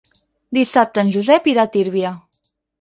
Dissabte en Josep irà a Tírvia.